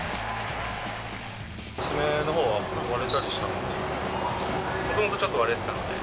爪のほうは割れたりしたんでもともとちょっと割れていたので。